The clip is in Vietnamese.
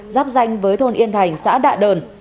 giáp danh với thôn yên thành xã đạ đờn